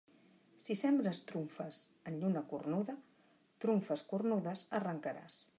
Si sembres trumfes en lluna cornuda, trumfes cornudes arrencaràs.